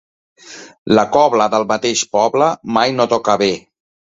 La cobla del mateix poble mai no toca bé.